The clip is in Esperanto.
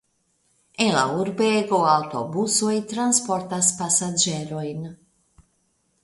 En la urbego aŭtobusoj transportas pasaĝerojn.